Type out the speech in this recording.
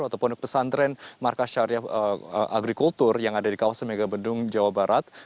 ataupun pesantren markas syariah agrikultur yang ada di kawasan megamendung jawa barat